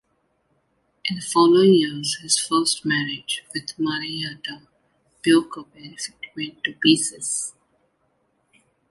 In the following years his first marriage with Marietta Böker-Parfitt went to pieces.